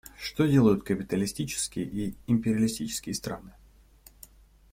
Что делают капиталистические и империалистические страны?